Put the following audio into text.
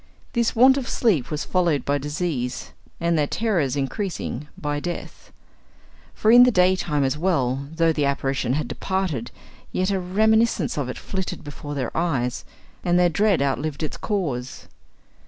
This want of sleep was followed by disease, and, their terrors increasing, by death. For in the daytime as well, though the apparition had departed, yet a reminiscence of it flitted before their eyes, and their dread outlived its cause.